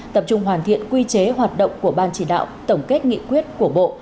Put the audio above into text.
tập trung hoàn thiện quy chế hoạt động của ban chỉ đạo tổng kết nghị quyết của bộ